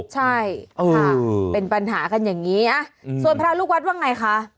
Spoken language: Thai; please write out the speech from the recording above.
ใช่ค่ะเป็นปัญหากันอย่างนี้ส่วนพระลูกวัดว่าไงคะ